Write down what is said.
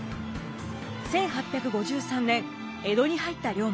１８５３年江戸に入った龍馬。